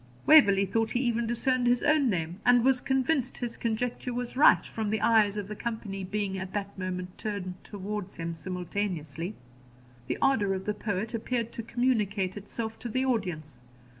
Waverley thought he even discerned his own name, and was convinced his conjecture was right from the eyes of the company being at that moment turned towards him simultaneously. The ardour of the poet appeared to communicate itself to the audience.